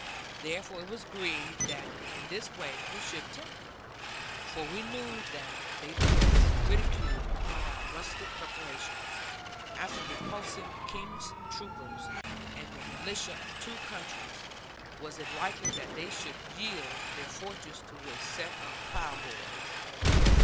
Therefore it was agreed that in this way we should tempt them; for we knew that they looked with ridicule upon our rustic preparations; after repulsing King's troopers, and the militia of two counties, was it likely that they should yield their fortress to a set of ploughboys?